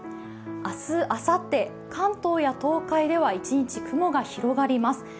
明日、あさって、関東や東海では一日雲が広がります。